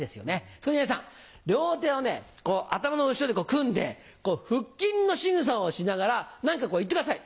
そこで皆さん両手をねこう頭の後ろで組んで腹筋のしぐさをしながら何か言ってください。